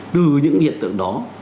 từ những hiện tượng đó